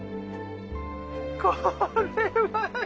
これは！